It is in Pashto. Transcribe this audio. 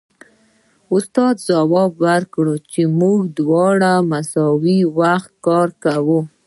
استاد ځواب ورکړ چې موږ دواړه مساوي وخت کار کوو